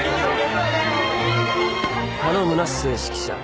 頼むな正指揮者。